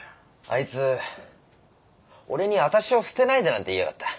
あいつ俺に「あたしを捨てないで」なんて言いやがった。